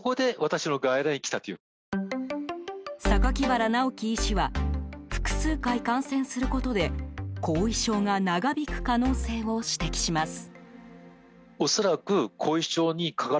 榊原直樹医師は複数回、感染することで後遺症が長引く可能性を指摘します。